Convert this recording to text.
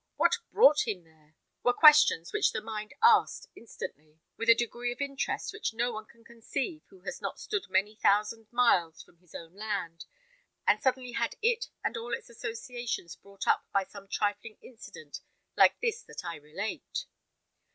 What brought him there? were questions which the mind asked instantly, with a degree of interest which no one can conceive who has not stood many thousand miles from his own land, and suddenly had it and all its associations brought up by some trifling incident like this that I relate.